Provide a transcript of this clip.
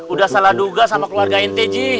udah salah duga sama keluarga nt ji